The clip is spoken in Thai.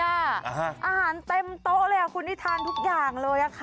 อาหารเต็มโต๊ะเลยคุณนี่ทานทุกอย่างเลยค่ะ